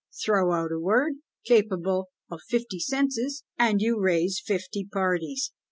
Throw out a word, capable of fifty senses, and you raise fifty parties!